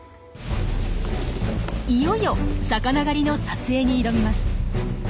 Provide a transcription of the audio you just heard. いよいよ魚狩りの撮影に挑みます。